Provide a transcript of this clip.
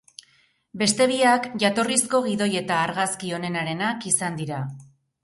Beste biak jatorrizko gidoi eta argazki onenarenak izan dira.